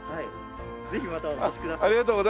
ぜひまたお越しください。